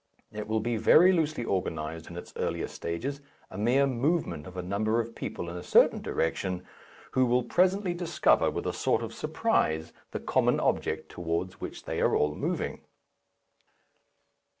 It will be very loosely organized in its earlier stages, a mere movement of a number of people in a certain direction, who will presently discover with a sort of surprise the common object towards which they are all moving.